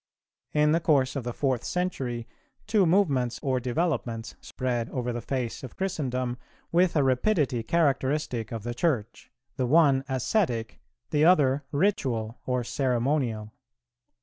In the course of the fourth century two movements or developments spread over the face of Christendom, with a rapidity characteristic of the Church; the one ascetic, the other ritual or ceremonial.